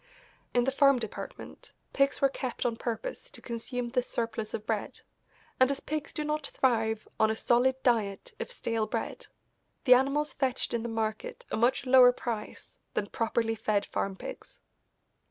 In the farm department pigs were kept on purpose to consume this surplus of bread, and as pigs do not thrive on a solid diet of stale bread the animals fetched in the market a much lower price than properly fed farm pigs.